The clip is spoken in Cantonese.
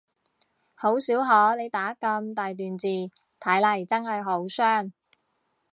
好少可你打咁大段字，睇嚟真係好傷